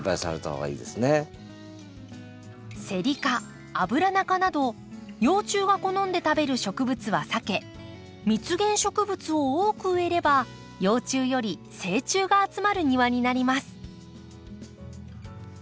セリ科アブラナ科など幼虫が好んで食べる植物は避け蜜源植物を多く植えれば幼虫より成虫が集まる庭になります。